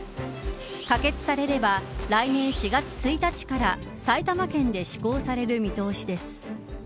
可決されれば来年４月１日から埼玉県で施行される見通しです。